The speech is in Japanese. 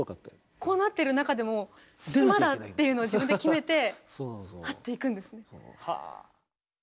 こうなってる中でも「今だ！」っていうのを自分で決めてハッといくんですね。